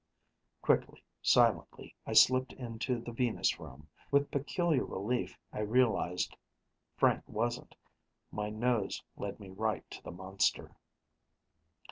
Quickly, silently, I slipped inside the Venus room. With peculiar relief, I realized Frank wasn't it: my nose led me right to the monster.